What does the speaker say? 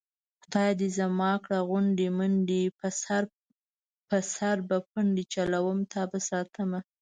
خدای دې زما کړه غونډې منډې په سر به پنډې چلوم تابه ساتمه